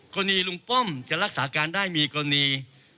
ลุงป้อมจะรักษาการได้มีกรณี